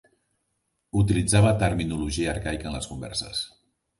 Utilitzava terminologia arcaica en les converses.